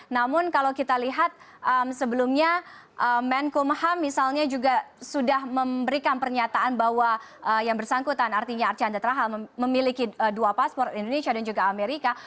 namun kalau kita lihat sebelumnya menkumham misalnya juga sudah memberikan pernyataan bahwa yang bersangkutan artinya archandra thaha memiliki dua paspor indonesia dan juga amerika